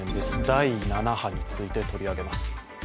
第７波について取り上げます。